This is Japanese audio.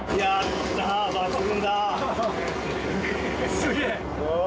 すげえ。